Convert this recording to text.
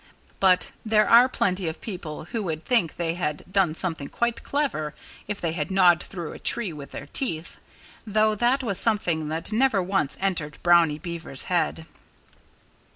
But there are plenty of people who would think they had done something quite clever if they had gnawed through a tree with their teeth though that was something that never once entered Brownie Beaver's head.